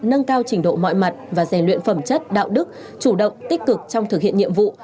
nâng cao trình độ mọi mặt và rèn luyện phẩm chất đạo đức chủ động tích cực trong thực hiện nhiệm vụ